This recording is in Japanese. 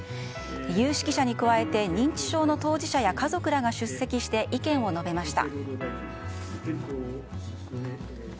有識者に加えて認知症の当事者や家族らが出席して意見を述べました。